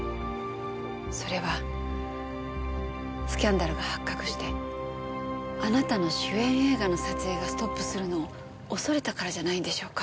それはスキャンダルが発覚してあなたの主演映画の撮影がストップするのを恐れたからじゃないんでしょうか？